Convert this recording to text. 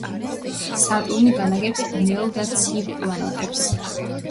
სატურნი განაგებს ბნელ და ცივ პლანეტებს.